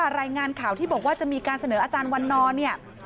รายงานข่าวที่บอกว่าจะมีการเสนออาจารย์วันนอร์เนี่ย